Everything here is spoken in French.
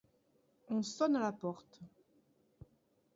On sonne à la porte.